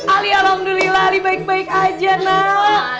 ali alhamdulillah ali baik baik aja nal